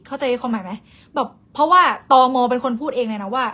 เข้าใจความหมายไหมแบบเพราะว่าตมเป็นคนพูดเองเลยนะว่า